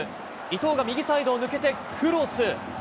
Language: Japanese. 伊東が右サイドを抜けてクロス。